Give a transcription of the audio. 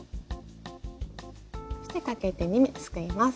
そしてかけて２目すくいます。